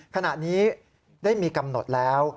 ขณะนี้ได้มีกำหนดแล้ว